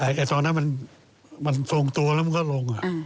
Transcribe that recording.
แค่ตอนนะมันทรงตัวแล้วก็ลงกว่า